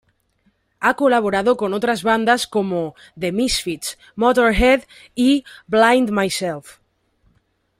Ha colaborado con otras bandas como The Misfits, Motörhead y Blind Myself.